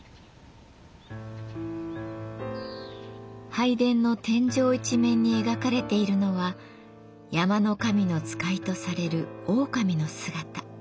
拝殿の天井一面に描かれているのは山の神の使いとされるオオカミの姿。